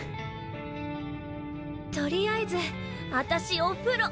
取りあえず私お風呂。